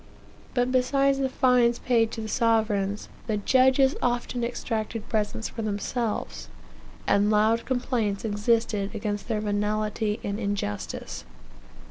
But besides the fines paid to the sovereigns, the judges often exacted presents for themselves, and loud complaints existed against their venality and injustice."